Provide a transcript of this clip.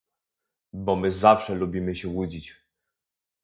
"bo my zawsze lubimy się łudzić."